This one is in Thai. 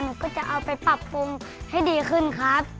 ก็จะเอาไปปรับปรุงให้ดีขึ้นครับ